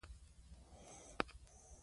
نه د زحمت لپاره.